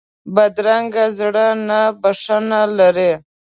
بدرنګه زړه نه بښنه لري